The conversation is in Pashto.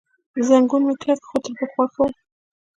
زنګون مې کلک، خو تر پخوا ښه و.